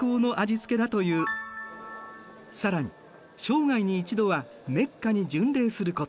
更に生涯に一度はメッカに巡礼すること。